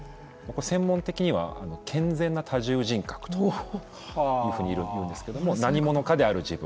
専門的には健全な多重人格というふうに言うんですけれども何者かである自分。